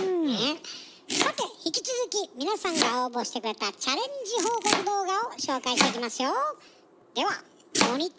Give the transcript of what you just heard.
さて引き続き皆さんが応募してくれたチャレンジ報告動画を紹介していきますよ。